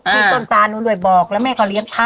มีต้นตานู้นด้วยบอกแล้วแม่ก็เลี้ยงพระ